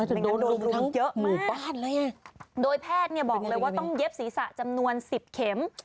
ไม่งั้นโดนรุมเยอะมากโดยแพทย์บอกเลยว่าต้องเย็บศีรษะจำนวน๑๐เข็ม